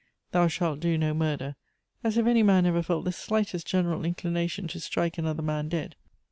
'Thou shalt do no murder;' as if any man ever felt the slightest general inclination to strike another man dead.